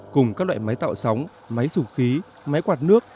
cùng các loại máy tạo sóng máy sụp khí máy quạt nước